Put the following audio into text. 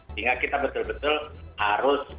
sehingga kita betul betul harus